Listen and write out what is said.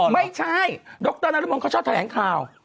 ไม่ใช่ดรน๊าลื้มคนเค้าชอบแถลงข่าว